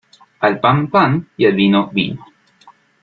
Al pan, pan y al vino, vino.